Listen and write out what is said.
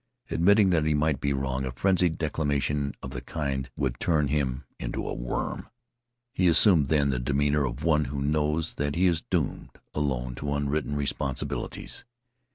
Admitting that he might be wrong, a frenzied declamation of the kind would turn him into a worm. He assumed, then, the demeanor of one who knows that he is doomed alone to unwritten responsibilities.